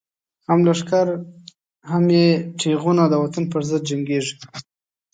هم لښکر هم یی تیغونه، دوطن پر ضد جنګیږی